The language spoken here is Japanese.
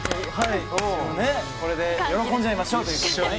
これで喜んじゃいましょう。